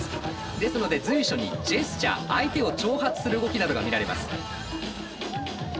ですので随所にジェスチャー相手を挑発する動きなどが見られます。